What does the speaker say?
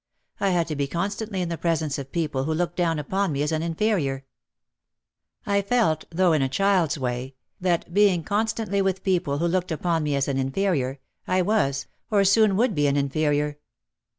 I had to be constantly in the presence of people who looked down upon me as an inferior. I felt, though in a child's way, that being constantly with people who looked upon me as an inferior, I was, or soon would be an inferior.